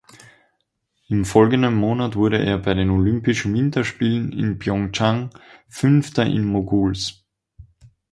Im folgenden Monat wurde er bei den Olympischen Winterspielen in Pyeongchang Fünfter im Moguls.